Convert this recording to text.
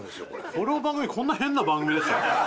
この番組こんな変な番組でした？